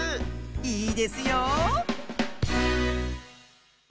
いいですよ。